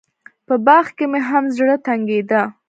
په باغ کښې مې هم زړه تنګېده.